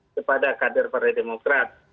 kepada kader partai demokrat